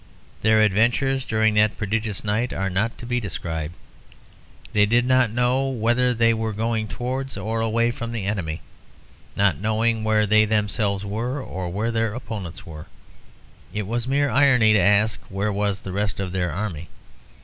Their adventures during that prodigious night are not to be described. They did not know whether they were going towards or away from the enemy. Not knowing where they themselves were, or where their opponents were, it was mere irony to ask where was the rest of their army.